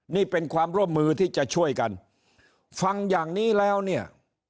นี่เป็นความร่วมมือที่จะช่วยกันฟังอย่างนี้แล้วเนี่ย